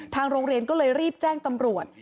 โรงเรียนก็เลยรีบแจ้งตำรวจ